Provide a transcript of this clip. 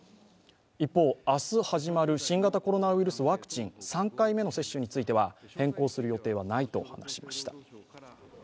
一方、明日始まる新型コロナウイルスワクチン３回目の接種については変更する予定はないと話しました。